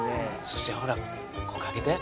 そしてほらここ開けて。